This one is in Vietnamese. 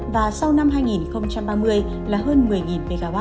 và sau năm hai nghìn ba mươi là hơn một mươi mw